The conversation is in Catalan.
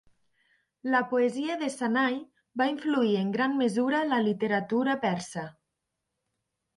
La poesia de Sanai va influir en gran mesura la literatura persa.